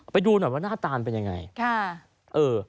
ไปดูหน่อยว่าหน้าตาลเป็นยังไง